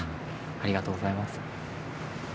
ありがとうございます。